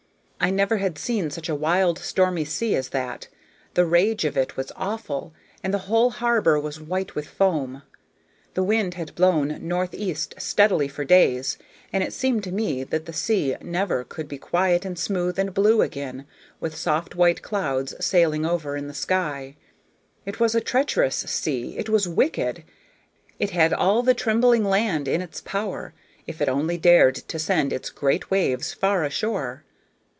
I never had seen such a wild, stormy sea as that; the rage of it was awful, and the whole harbor was white with foam. The wind had blown northeast steadily for days, and it seemed to me that the sea never could be quiet and smooth and blue again, with soft white clouds sailing over it in the sky. It was a treacherous sea; it was wicked; it had all the trembling land in its power, if it only dared to send its great waves far ashore.